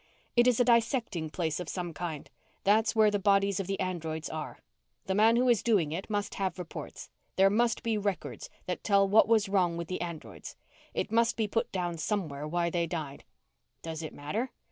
"It is a dissecting place of some kind. That's where the bodies of the androids are. The man who is doing it must have reports. There must be records that tell what was wrong with the androids. It must be put down somewhere why they died." "Does it matter?"